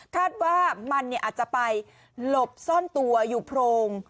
คาดว่ามันอาจจะไปหลบซ่อนตัวอยู่โพรง